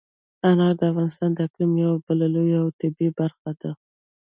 انار د افغانستان د اقلیم یوه بله لویه او طبیعي ځانګړتیا ده.